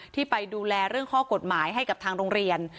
ที่ไปดูแลเรื่องข้อกฎหมายให้กับทางโรงเรียน